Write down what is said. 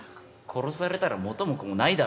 殺されたら元も子もないだろ。